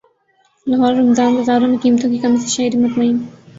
لاہور رمضان بازاروں میں قیمتوں کی کمی سے شہری مطمئین